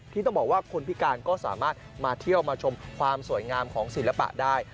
ที่ต้องบอกว่าคนพิการก็สามารถมาเที่ยวมาชมความสวยงามของศิลปะได้